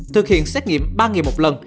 thực hiện xét nghiệm ba ngày một lần